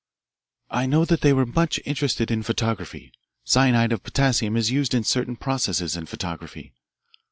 "I know that they were much interested in photography. Cyanide of potassium is used in certain processes in photography."